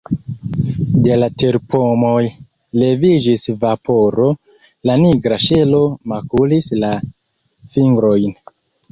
De la terpomoj leviĝis vaporo, la nigra ŝelo makulis la fingrojn.